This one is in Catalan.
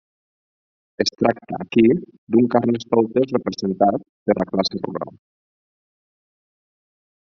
Es tracta aquí d'un carnestoltes representat per la classe rural.